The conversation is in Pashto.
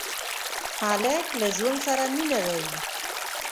هلک له ژوند سره مینه لري.